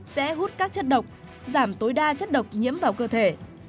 sẽ hút các chất độc giảm tối đa chất độc nhiễm vào cơ thể